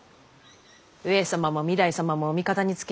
上様も御台様もお味方につけ